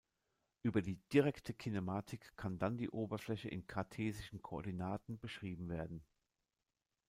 Über die direkte Kinematik kann dann die Oberfläche in kartesischen Koordinaten beschrieben werden.